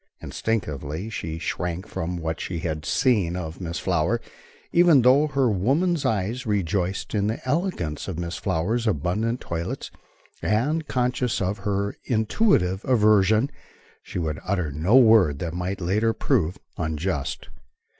Instinctively she shrank from what she had seen of Miss Flower, even though her woman's eye rejoiced in the elegance of Miss Flower's abundant toilets; and, conscious of her intuitive aversion, she would utter no word that might later prove unjust.